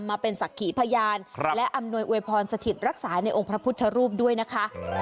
มาเป็นศักดิ์ขีพยานและอำนวยอวยพรสถิตรักษาในองค์พระพุทธรูปด้วยนะคะ